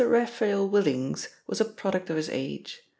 RAPHAEL WILLINGS was a product of his age.